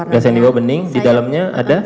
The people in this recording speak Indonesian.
gelas yang dibawah bening di dalamnya ada